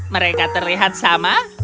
mereka terlihat sama